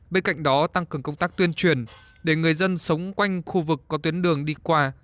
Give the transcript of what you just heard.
bên cạnh đó tăng cường công tác tuyên truyền để người dân sống quanh khu vực có tuyến đường đi qua